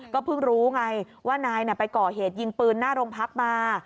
ก็เพิ่งรู้ไงว่านายไปก่อเหตุยิงปืนหน้าโรงพักมา